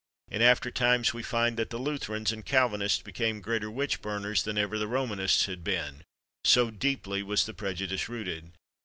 In after times we also find that the Lutherans and Calvinists became greater witch burners than ever the Romanists had been, so deeply was the prejudice rooted.